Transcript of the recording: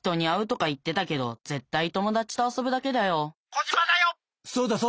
「コジマだよ！」。